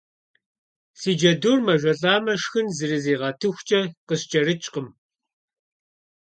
Си джэдур мэжалӏэмэ шхын зыризыгъэтыхукӏэ къыскӏэрыкӏкъым.